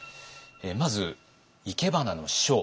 まず生け花の師匠。